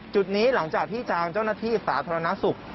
จุดนี้หลังจากที่ทางเจ้าหน้าที่สาธารณสุข